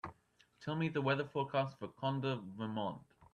Tell me the weather forecast for Conda, Vermont